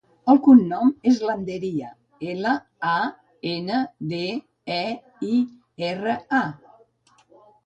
El cognom és Landeira: ela, a, ena, de, e, i, erra, a.